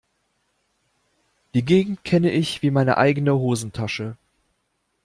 Die Gegend kenne ich wie meine eigene Hosentasche.